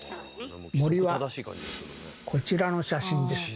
森はこちらの写真です。